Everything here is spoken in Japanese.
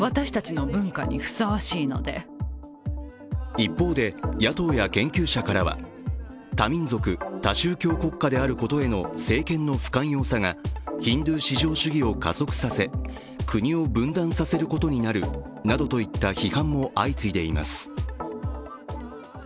一方で、野党や研究者からは多民族・多宗教国家であることへの政権の不寛容さがヒンドゥー至上主義を加速させ、国を分断させることになるなとどいった批判も相次いでいます。